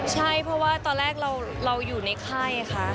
ใช่เพราะว่าตอนแรกเราอยู่ในไข้ค่ะ